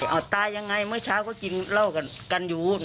เอาตายยังไงเมื่อเช้าก็กินเหล้ากันอยู่